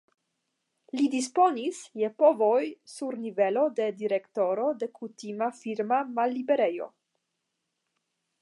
Li disponis je povoj sur nivelo de direktoro de kutima firma malliberejo.